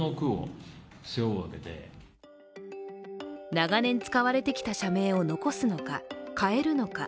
長年使われてきた社名を残すのか、変えるのか。